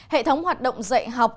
hệ thống hoạt động dạy học